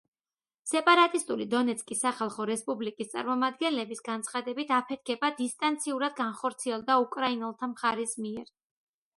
სეპარატისტული დონეცკის სახალხო რესპუბლიკის წარმომადგენლების განცხადებით, აფეთქება დისტანციურად განხორციელდა უკრაინელთა მხარის მიერ.